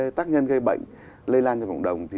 và khi có tác nhân gây bệnh lây lan trong cộng đồng thì